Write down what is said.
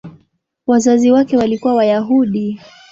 Wazazi wake walikuwa Wayahudi.